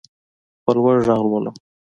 په لوړ غږ لولم.